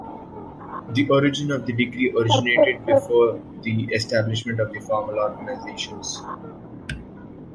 The origin of the degree originated before the establishment of the formal organization.